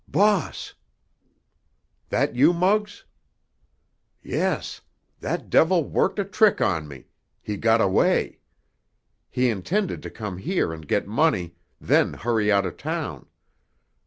"Boss!" "That you, Muggs?" "Yes. That devil worked a trick on me—he got away. He intended to come here and get money, then hurry out of town.